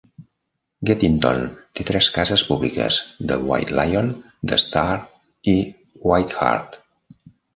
Geddington té tres cases públiques: The White Lion, The Star i White Hart.